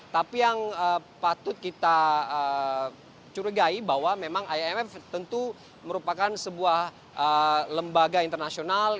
tapi yang patut kita curigai bahwa memang imf tentu merupakan sebuah lembaga internasional